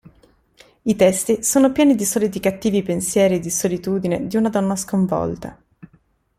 I testi sono pieni di soliti cattivi pensieri di solitudine di una donna sconvolta.